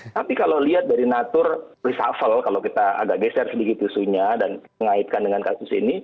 tapi kalau lihat dari natur reshuffle kalau kita agak geser sedikit isunya dan mengaitkan dengan kasus ini